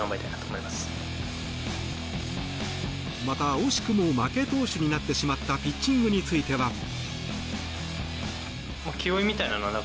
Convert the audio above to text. また、惜しくも負け投手になってしまったピッチングについては。